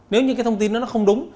nếu những thông tin đó không đúng